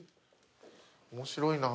面白いな。